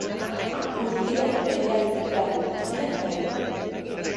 Guztira bederatzi klan izenak daude.